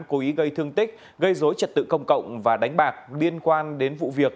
cố ý gây thương tích gây dối trật tự công cộng và đánh bạc liên quan đến vụ việc